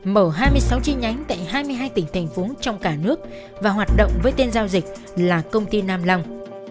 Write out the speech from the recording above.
mở hai mươi sáu chi nhánh tại hai mươi hai tỉnh thành phố trong cả nước và hoạt động với tên giao dịch là công ty nam long